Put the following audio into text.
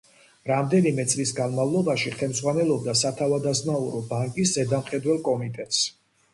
რამდენიმე წლის განმავლობაში ხელმძღვანელობდა სათავადაზნაურო ბანკის ზედამხედველ კომიტეტს.